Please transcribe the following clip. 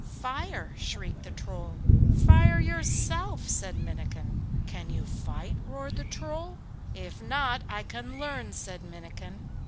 'Fire!' shrieked the Troll. 'Fire yourself!' said Minnikin. 'Can you fight?' roared the Troll. 'If not, I can learn,' said Minnikin.